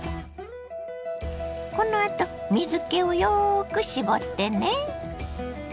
このあと水けをよく絞ってね。